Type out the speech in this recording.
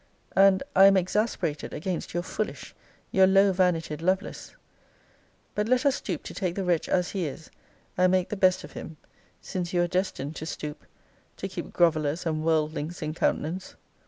And I am exasperated against your foolish, your low vanity'd Lovelace. But let us stoop to take the wretch as he is, and make the best of him, since you are destined to stoop, to keep grovellers and worldlings in countenance.